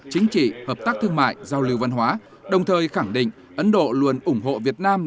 chính trị hợp tác thương mại giao lưu văn hóa đồng thời khẳng định ấn độ luôn ủng hộ việt nam